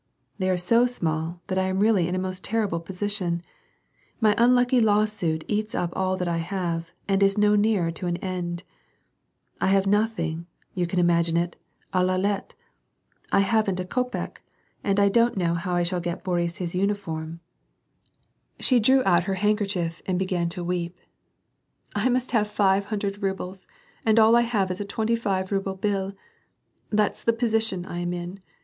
" They are so small that I am really in a most terrible position. My unlucky lawsuit eats up all that I have, and is no nearer an end. I have nothing, you can imagine it a la lettre, I haven't a kopek, and I don't know how I shall get Boris his uniform." WAR AND* PEACE. 55 She drew out her handkerchief and begun to weep, — "I must have five hundred rubles, and all I have is a twenty five ruble bill. That's the position I am in.